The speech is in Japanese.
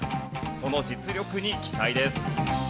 その実力に期待です。